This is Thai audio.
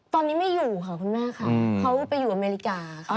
ตอนนี้ไม่อยู่ค่ะคุณแม่ค่ะเขาไปอยู่อเมริกา